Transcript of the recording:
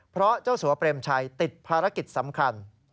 เพราะเจ้าสัวเปรมชัยติดภารกิจสำคัญ